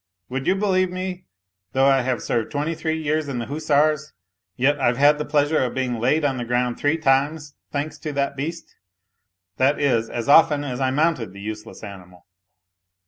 " Would you believe me, though I have served twenty three years in the hussars, yet I've had the pleasure of being laid on the ground three times, thanks to that beast, that is, as often as I mounted the useless animal.